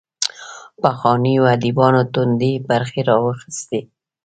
پخوانیو ادبیاتو توندۍ برخې راواخیستې